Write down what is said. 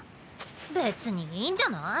別にいいんじゃない？